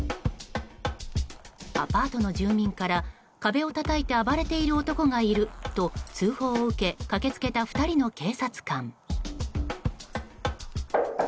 アパートの住民から壁をたたいて暴れている男がいると通報を受け駆け付けた２人の警察官。